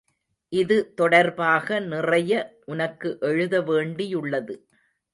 இது தொடர்பாக நிறைய உனக்கு எழுத வேண்டியுள்ளது.